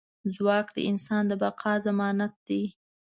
ځواک د انسان د بقا ضمانت دی.